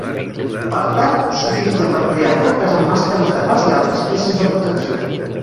Per tant, s'utilitza per crear foques en màscares de gas i altres peces de protecció.